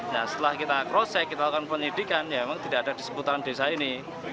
nah setelah kita cross check kita lakukan penyidikan ya memang tidak ada di seputaran desa ini